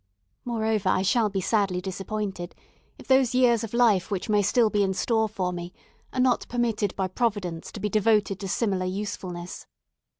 Moreover I shall be sadly disappointed, if those years of life which may be still in store for me are not permitted by Providence to be devoted to similar usefulness.